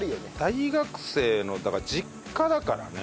大学生のだから実家だからね